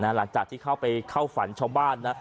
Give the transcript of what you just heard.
หลังจากที่เข้าไปเข้าฝันชาวบ้านนะ